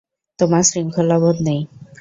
তোমার শৃঙ্খলাবোধ নেই?